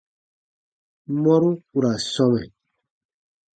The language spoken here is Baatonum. Mɔru ku ra sɔmɛ.